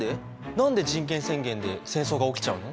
何で人権宣言で戦争が起きちゃうの？